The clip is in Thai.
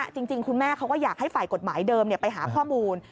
จริงคุณแม่เขาก็อยากให้ฝ่ายกฎหมายเดิมไปหาข้อมูล